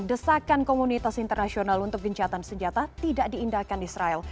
desakan komunitas internasional untuk gencatan senjata tidak diindahkan israel